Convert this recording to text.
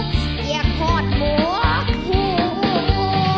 เกียงควดบวกฮูฮูฮู